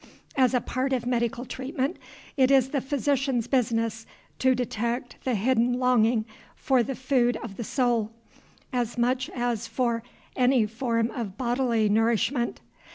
As a part of medical treatment, it is the physician's business to detect the hidden longing for the food of the soul, as much as for any form of bodily nourishment.